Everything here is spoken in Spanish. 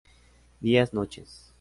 Días, noches.